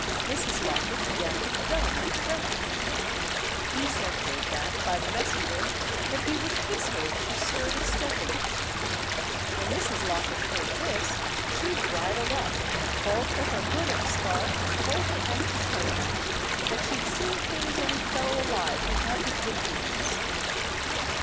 Mrs. Locket began to dun and threaten him. He sent word back by the messenger that he would kiss her if she stirred a step in it. When Mrs. Locket heard this, she bridled up, called for her hood and scarf, and told her anxious husband that she'd see if there was any fellow alive who had the impudence!